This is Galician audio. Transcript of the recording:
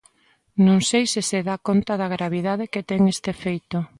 Non sei se se dá conta da gravidade que ten este feito.